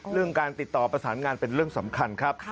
เรื่องการติดต่อประสานงานเป็นเรื่องสำคัญครับ